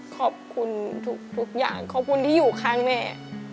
ขอบคุณทุกอย่างขอบคุณที่อยู่ข้างแม่